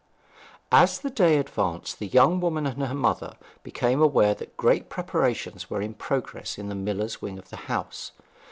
As the day advanced the young woman and her mother became aware that great preparations were in progress in the miller's wing of the house.